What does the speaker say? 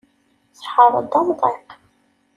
Tḥerr-d amḍiq.